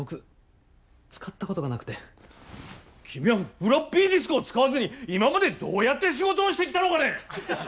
君はフロッピーディスクを使わずに今までどうやって仕事をしてきたのかね！？